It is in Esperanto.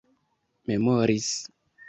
memoris